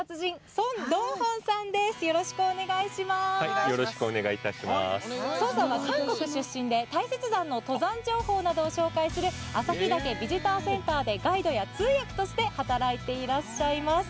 ソンさんは、韓国出身で大雪山の登山情報を紹介する旭岳ビジターセンターでガイドや通訳として働いていらっしゃいます。